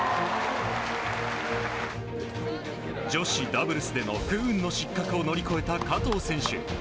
女子ダブルスでの不運の失格を乗り越えた加藤選手。